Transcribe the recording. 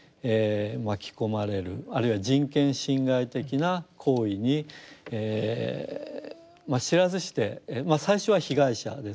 あるいは人権侵害的な行為に知らずして最初は被害者ですよね。